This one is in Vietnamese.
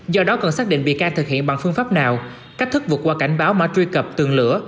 do đó cần xác định bị can thực hiện bằng phương pháp nào cách thức vượt qua cảnh báo mã truy cập tường lửa